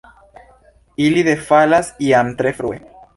Ili defalas jam tre frue.